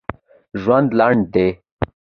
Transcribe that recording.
ژوند لنډ دی